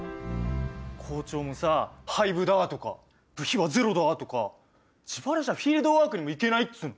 校長もさ「廃部だ！」とか「部費はゼロだ！」とか自腹じゃフィールドワークにも行けないっつうの！